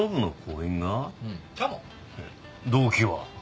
動機は？